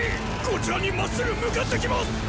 こちらにまっすぐ向かって来ます！！